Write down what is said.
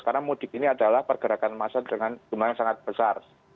karena mudik ini adalah pergerakan massa dengan jumlah yang sangat besar